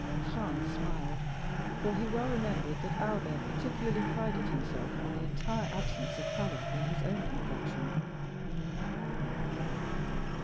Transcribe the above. Franz smiled; for he well remembered that Albert particularly prided himself on the entire absence of color in his own complexion.